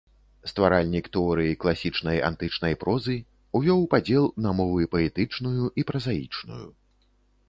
Стваральнік тэорыі класічнай антычнай прозы, увёў падзел на мовы паэтычную і празаічную.